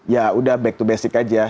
ya udah back to basic aja